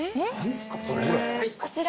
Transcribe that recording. こちら。